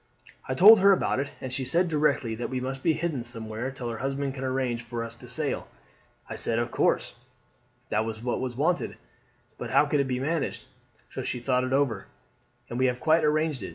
I told her all about it, and she said directly that we must be hidden somewhere till her husband can arrange for us to sail. I said, of course, that was what was wanted, but how could it be managed? So she thought it over, and we have quite arranged it.